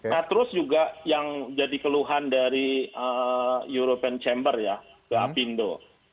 nah terus juga yang jadi keluhan dari european chamber ya ke apindo